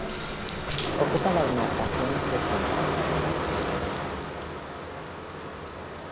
Ocupa la demarcación de central.